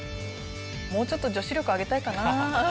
もうちょっと女子力上げたいかな。